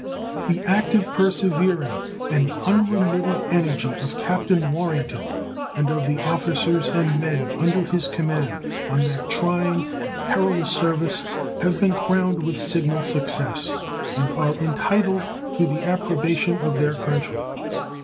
The active, persevering, and unremitted energy of Captain Warrington and of the officers and men under his command on that trying and perilous service have been crowned with signal success, and are entitled to the approbation of their country.